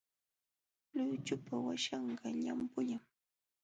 Luychupa waśhanqa llampullam.